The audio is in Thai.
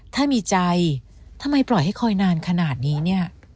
ถ้ามีใจทำไมปล่อยให้คอยนานขนาดนี้เนี่ย